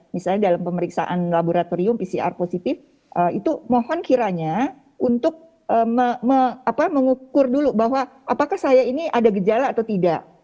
misalnya dalam pemeriksaan laboratorium pcr positif itu mohon kiranya untuk mengukur dulu bahwa apakah saya ini ada gejala atau tidak